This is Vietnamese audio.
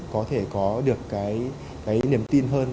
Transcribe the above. có thể có được cái niềm tin hơn